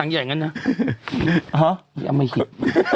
ยากมาเหด